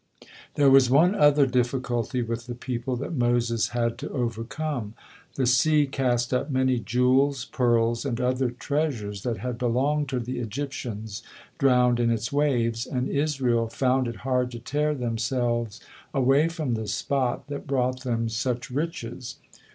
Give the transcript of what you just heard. There was one other difficulty with the people that Moses had to overcome: The sea cast up many jewels, pearls and other treasures that had belonged to the Egyptians, drowned in its waves, and Israel found it hard to tear themselves away from the spot that brought them such riches.